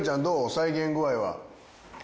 再現具合は。